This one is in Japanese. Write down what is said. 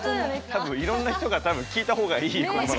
多分いろんな人が多分聞いた方がいい言葉。